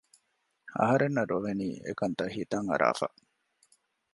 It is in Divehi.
އަހަރެންނަށް ރޮވެނީ އެކަންތައް ހިތަށް އަރާފަ